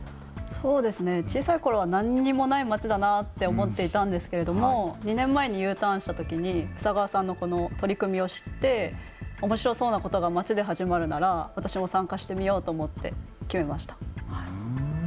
そうですね、小さいころは何にもない町だなって思っていたんですけれども２年前にＵターンしたときに宇佐川さんのこの取り組みを知って、おもしろそうなことが町で始まるなら私も参加してみようと思って決めました。